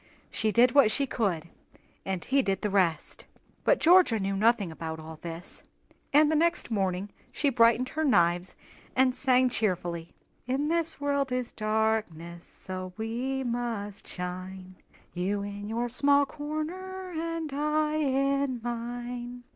She did what she could, and he did the rest." But Georgia knew nothing about all this, and the next morning she brightened her knives and sang cheerily: "In the world is darkness, So we must shine, You in your small corner, And I in mine."